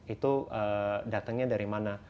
itu datangnya dari mana